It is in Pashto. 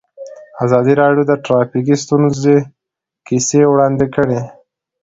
ازادي راډیو د ټرافیکي ستونزې کیسې وړاندې کړي.